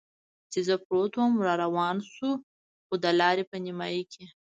چې زه پروت ووم را روان شو، خو د لارې په نیمایي کې.